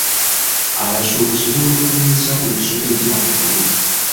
Abasuubuzi beemulugunyizza ku misolo egya waggulu.